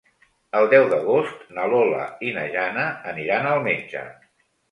El deu d'agost na Lola i na Jana aniran al metge.